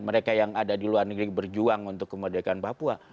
mereka yang ada di luar negeri berjuang untuk kemerdekaan papua